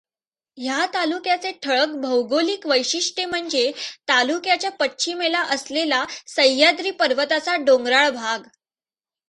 ह्या तालुक्याचे ठळक भौगोलिक वैशिष्ट्य म्हणजे तालुक्याच्या पश्चिमेला असलेला सह्याद्री पर्वताचा डोंगराळ भाग.